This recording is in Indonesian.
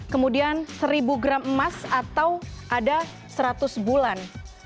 kemudian seribu gram emas atau ada seratus bulan